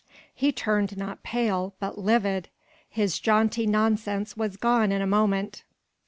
He turned not pale, but livid. His jaunty nonsense was gone in a moment.